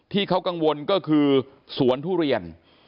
ที่เขากังวลก็คือสวนทุเรียน